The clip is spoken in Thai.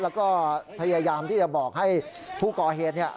แล้วก็พยายามที่จะบอกให้ผู้ก่อเหตุเนี่ย